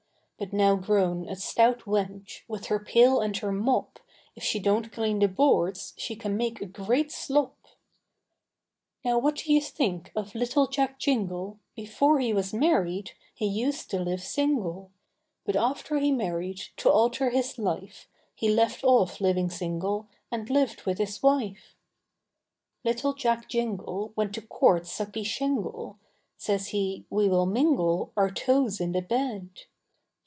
But now grown a stout wench, With her pail and her mop, If she donât clean the boards, She can make a great slop. Now what do you think of Little Jack Jingle, Before he was married, He used to live single; But after he married, To alter his life, He left off living single, And livâd with his wife. Little Jack Jingle, Went to court Sucky Shingle, Says he, we will mingle Our toes in the bed.